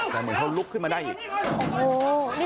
แต่เหมือนเขาลุกขึ้นมาได้อีก